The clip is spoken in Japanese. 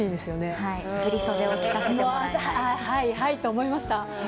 はいはいと思いました。